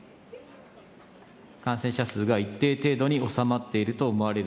感染者数が一定程度に収まっていると思われる。